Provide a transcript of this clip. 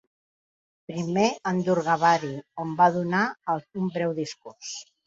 Primer en Durgabari, on va donar un breu discurs.